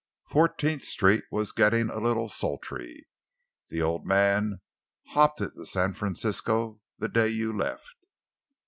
Fourteenth Street was getting a little sultry. The old man hopped it to San Francisco the day you left."